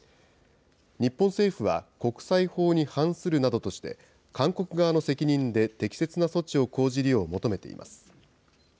日本政府は国際法に反するなどとして、韓国側の責任で適切な措置を講じるよう求めています。